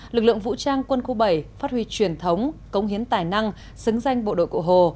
lực lượng vũ trang quân khu bảy phát huy truyền thống công hiến tài năng xứng danh bộ đội cụ hồ